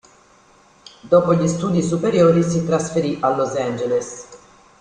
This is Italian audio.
Dopo gli studi superiori si trasferì a Los Angeles.